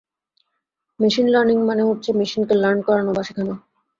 Machine learning মানে হচ্ছে মেশিনকে লার্ন করানো বা শেখানো।